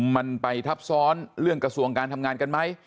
มันไปทับซ้อนเรื่องกระทรวงการทำงานกันไหม